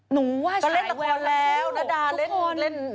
หนูว่าขายแววอยู่ทุกคนก็เล่นละครแล้วนาดาเล่น